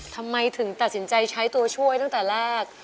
ทำไมถึงตัดสินใจใช้ตัวช่วยตั้งแต่แรก